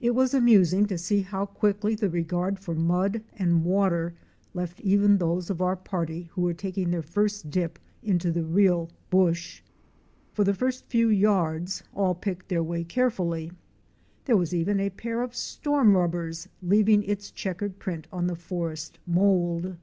It was amusing to see how quickly the regard for mud and water left even those of our party who were taking their first dip into the real " bush." For the first few yards all picked their way carefully. There was even a pair of storm rubbers leaving its checkered print on the forest mould!